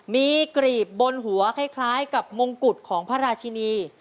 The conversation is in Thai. มีกรีบบนหัวคล้ายกับมงกุฎของพระราชินี